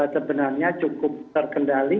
sebenarnya cukup terkendali